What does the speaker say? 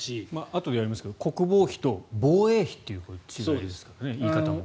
あとでやりますが国防費と防衛費という違いですかね